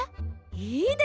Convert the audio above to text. いいですね！